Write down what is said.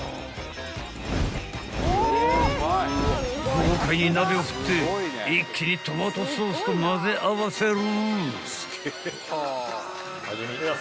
［豪快に鍋を振って一気にトマトソースとまぜ合わせる］